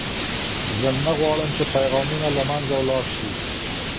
زه نه غواړم چې پیغامونه له منځه ولاړ شي.